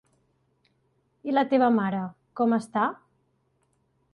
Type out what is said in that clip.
I la teva mare, com està?